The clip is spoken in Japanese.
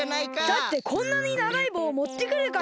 だってこんなにながいぼうもってくるから！